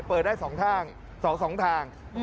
เปิดได้๒ทาง